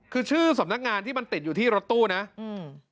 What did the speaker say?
คือชื่อสำนักงานที่มันติดอยู่ที่รถตู้นะอืม